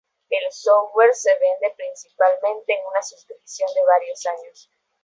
El software se vende principalmente en una suscripción de varios años.